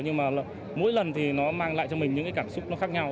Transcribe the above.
nhưng mà mỗi lần thì nó mang lại cho mình những cái cảm xúc nó khác nhau